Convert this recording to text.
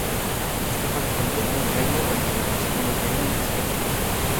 Este pack contenía el "Rayman" original, así como el "Rayman Designer".